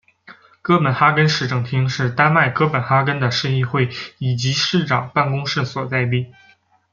哥本哈根市政厅是丹麦哥本哈根的市议会以及市长办公室所在地。